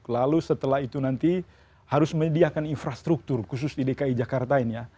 lalu setelah itu nanti harus menyediakan infrastruktur khusus di dki jakarta ini ya